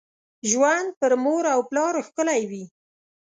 ژوند پر مور او پلار ښکلي وي .